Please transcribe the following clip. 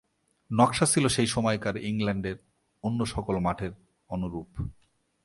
নকশা ছিল সেই সময়কার ইংল্যান্ডের অন্য সকল মাঠের অনুরূপ।